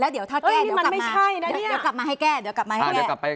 เดี๋ยวเท่ากี้ก็กลับมา